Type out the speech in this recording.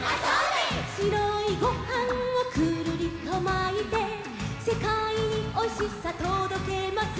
「しろいごはんをくるりとまいて」「せかいにおいしさとどけます」